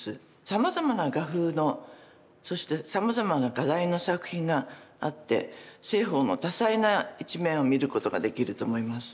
さまざまな画風のそしてさまざまな画題の作品があって栖鳳の多彩な一面を見ることができると思います。